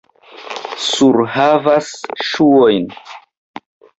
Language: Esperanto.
Surhavas ŝuojn.